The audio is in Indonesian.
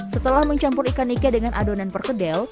setelah mencampur ikan ikan dengan adonan perkedel